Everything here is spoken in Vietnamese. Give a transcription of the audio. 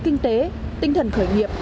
kinh tế tinh thần khởi nghiệp